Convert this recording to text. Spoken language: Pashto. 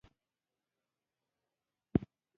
د خرڅلاو لپاره یو محدود مارکېټ پاتې کیږي.